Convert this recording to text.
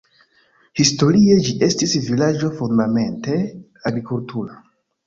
Historie ĝi estis vilaĝo fundamente agrikultura.